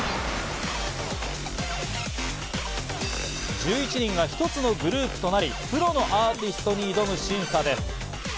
１１人が一つのグループとなり、プロのアーティストに挑む審査です。